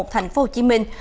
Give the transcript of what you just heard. thành phố hồ chí minh